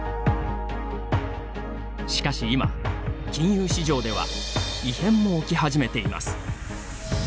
しかし、今、金融市場では異変も起き始めています。